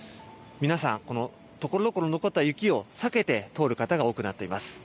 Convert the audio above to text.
皆さん、ところどころ残った雪を避けて通る方が多くなっています。